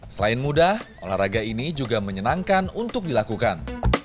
selain mudah olahraga ini juga menyenangkan untuk dilakukan